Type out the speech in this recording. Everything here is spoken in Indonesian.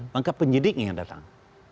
maka penyidiknya yang datang